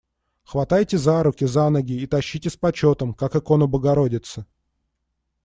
Хватайте за руки, за ноги и тащите с почетом, как икону богородицы.